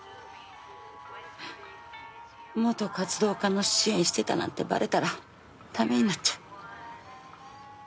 元活動家の支援してたなんてバレたら駄目になっちゃう。